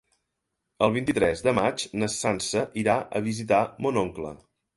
El vint-i-tres de maig na Sança irà a visitar mon oncle.